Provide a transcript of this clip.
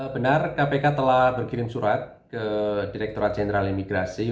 benar kpk telah berkirim surat ke direkturat jenderal imigrasi